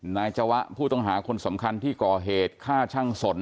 นายจวะผู้ต้องหาคนสำคัญที่ก่อเหตุฆ่าช่างสน